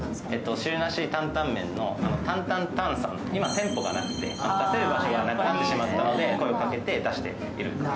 汁なし坦々麺の担坦坦さんの今、店舗がなくて、出せる場所がなくなってしまったので声をかけて出しているんです。